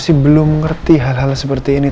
masih belum mengerti hal hal seperti ini